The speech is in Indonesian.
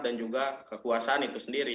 dan juga kekuasaan itu sendiri